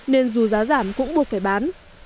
nên dù giá giảm cũng buộc phải bán